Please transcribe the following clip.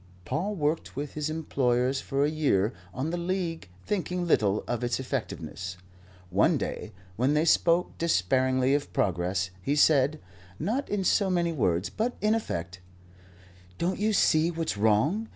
Paul worked with his employers for a year on the League thinking little of its effectiveness. One day, when they spoke despairingly of progress, he said, not in so many words, but in effect: "Don't you see what's wrong?